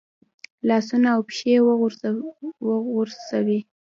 لاسونه او پښې ورغوڅوي.